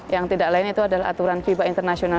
yang tidak lain itu adalah aturan fiba internasional